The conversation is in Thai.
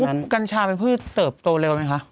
กำลังว่ากัญชาเป็นพืชเติบโตเร็วไหมคะ